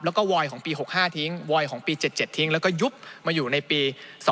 แล้วก็วอยของปี๖๕ทิ้งวอยของปี๗๗ทิ้งแล้วก็ยุบมาอยู่ในปี๒๕๖